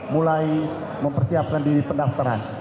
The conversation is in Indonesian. mulai mempersiapkan diri pendaftaran